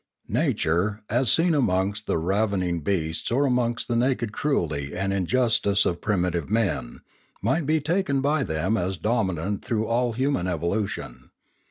Nature, as seen amongst the ravening beasts or amongst the naked cruelty and injustice of primitive men, might be taken by them as dominant through all human evolution.